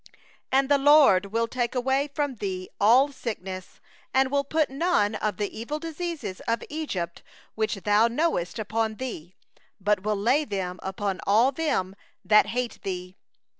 15And the LORD will take away from thee all sickness; and He will put none of the evil diseases of Egypt, which thou knowest, upon thee, but will lay them upon all them that hate thee.